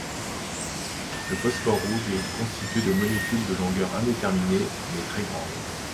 Le phosphore rouge est constitué de molécules de longueur indéterminée, mais très grande.